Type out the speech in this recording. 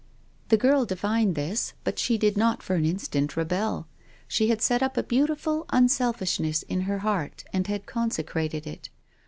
The girl divined this, but she did not for an in stant rebel. She had set up a beautiful unselfish ness in her heart and had consecrated it.